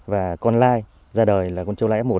và con lai ra đời là con châu lai f một